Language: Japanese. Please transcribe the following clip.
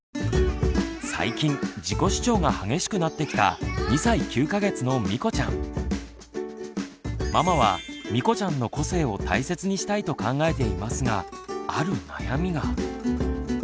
最近自己主張が激しくなってきたママはみこちゃんの個性を大切にしたいと考えていますがある悩みが。